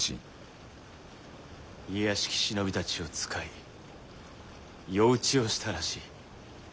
卑しき忍びたちを使い夜討ちをしたらしい。